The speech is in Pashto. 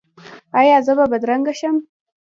ایا زه به بدرنګه شم؟